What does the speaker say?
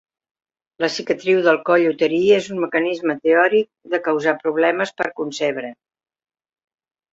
La cicatriu del coll uterí és un mecanisme teòric de causar problemes per concebre.